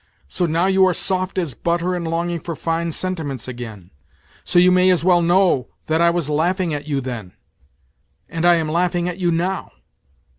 So now you are soft as butter and longing for fine sentiments again. So you may as well know that I was laughing at you then. And I am laughing at you now.